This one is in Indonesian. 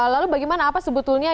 lalu bagaimana apa sebetulnya yang harus